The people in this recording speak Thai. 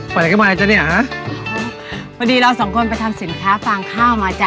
ไปอะไรกันมาแล้วจ้ะเนี้ยอ๋อพอดีเราสองคนไปทำสินค้าฟางข้าวมาจ้ะ